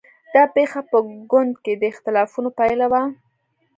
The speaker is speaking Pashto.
دا پېښه په ګوند کې د اختلافونو پایله وه.